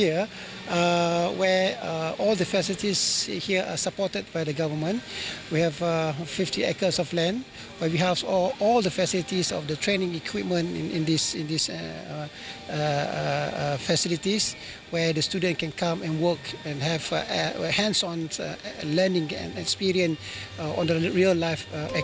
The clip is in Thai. ในภูมิภาคอาเซียที่นี่คุณจะได้มาสนุนมันได้พร้อมให้ตัวเองได้